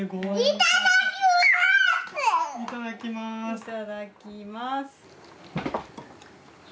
いただきます。